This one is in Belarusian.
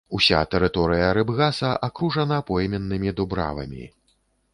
Уся тэрыторыя рыбгаса акружана пойменнымі дубравамі.